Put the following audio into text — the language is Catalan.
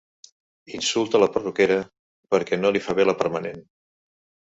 Insulta la perruquera perquè no li fa bé la permanent.